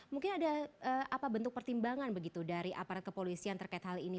mungkin ada apa bentuk pertimbangan begitu dari aparat kepolisian terkait hal ini